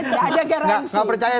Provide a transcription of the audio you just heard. tidak ada garansi